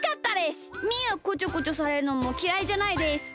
みーはこちょこちょされるのもきらいじゃないです。